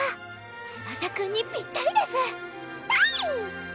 ツバサくんにぴったりです！たり！